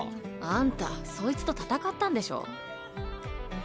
あんたそいつと戦ったんでしょ？